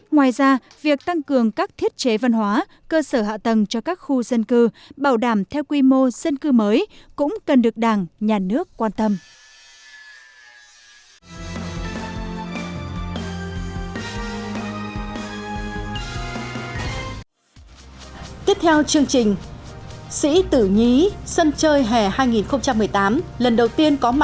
ngoài ra việc tăng cường các thiết chế văn hóa cơ sở hạ tầng cho các khu dân cư bảo đảm theo quy mô dân cư mới cũng cần được đảng nhà nước quan tâm